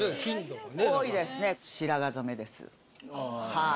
はい。